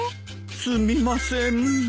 すみません。